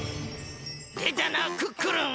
でたなクックルン！